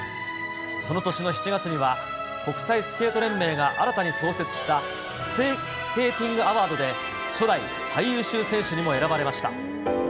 その年の７月には、国際スケート連盟が新たに創設したスケーティングアワードで初代最優秀選手にも選ばれました。